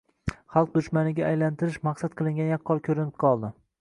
«xalq dushmani»ga aylantirish maqsad qilingani yaqqol ko‘rinib qoldi.